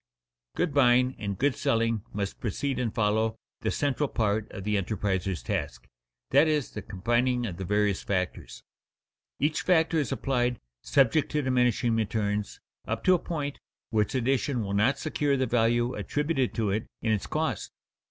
_ Good buying and good selling must precede and follow the central part of the enterpriser's task, that is, the combining of the various factors. Each factor is applied, subject to diminishing returns, up to a point where its addition will not secure the value attributed to it in its cost.